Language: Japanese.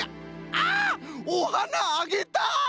あおはなあげたい！